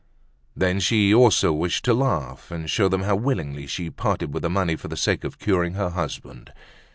Then she also wished to laugh, and show them how willingly she parted with the money for the sake of curing her husband.